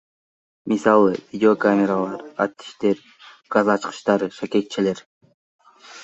Мисалы, Видеокамералар, аттиштер, газ ачкычтары, шакекчелер.